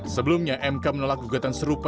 sebelumnya mk menolak gugatan serupa